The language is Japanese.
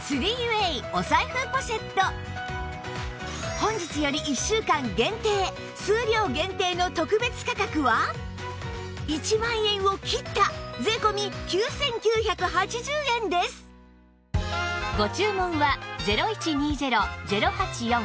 本日より１週間限定数量限定の特別価格は１万円を切った税込９９８０円ですうう！